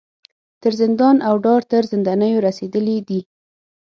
تر زندان او دار تر زندیو رسېدلي دي.